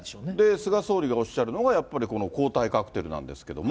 菅総理がおっしゃるのが、やっぱり、この抗体カクテルなんですけども。